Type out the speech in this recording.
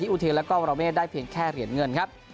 อุเทนแล้วก็วรเวทได้เพียงแค่เหรียญเงินครับ